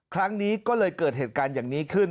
ครั้งนี้ก็เลยเกิดเหตุการณ์อย่างนี้ขึ้น